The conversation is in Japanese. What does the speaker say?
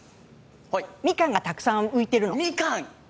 みかんがたくさん浮いている。